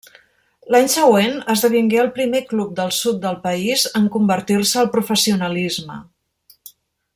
L'any següent esdevingué el primer club del sud del país en convertir-se al professionalisme.